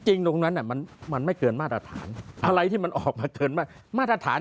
ตรงนั้นมันไม่เกินมาตรฐานอะไรที่มันออกมาเกินมาตรฐาน